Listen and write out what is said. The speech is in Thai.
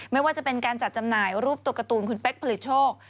ไม่ว่าจะเป็นการจัดจำหน่ายรูปตัวการ์ตูนคุณเป๊กผลิตโชค